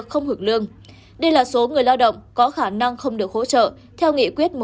hưởng lương đây là số người lao động có khả năng không được hỗ trợ theo nghị quyết một trăm một mươi sáu